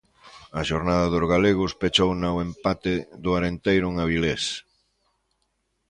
A xornada dos galegos pechouna o empate do Arenteiro en Avilés.